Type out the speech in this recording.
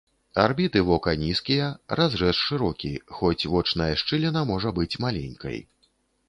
Арбіты вока нізкія, разрэз шырокі, хоць вочная шчыліна можа быць маленькай.